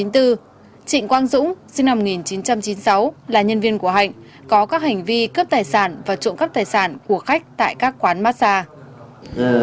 trịnh quang dũng sinh năm một nghìn chín trăm chín mươi sáu là nhân viên của hạnh có các hành vi cướp tài sản và trộm cắp tài sản của khách tại các quán massage